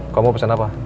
kamu pesen apa